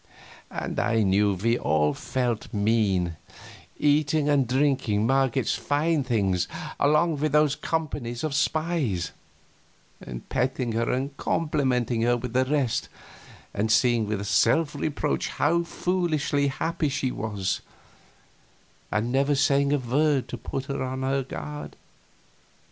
And I knew we all felt mean, eating and drinking Marget's fine things along with those companies of spies, and petting her and complimenting her with the rest, and seeing with self reproach how foolishly happy she was, and never saying a word to put her on her guard.